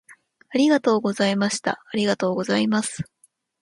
ありがとうございました。ありがとうございます。